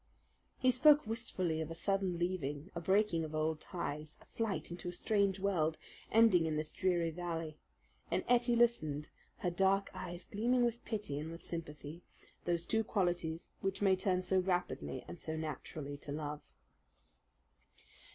He spoke wistfully of a sudden leaving, a breaking of old ties, a flight into a strange world, ending in this dreary valley, and Ettie listened, her dark eyes gleaming with pity and with sympathy those two qualities which may turn so rapidly and so naturally to love.